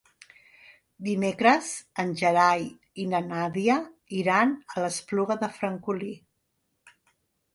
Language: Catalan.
Dimecres en Gerai i na Nàdia iran a l'Espluga de Francolí.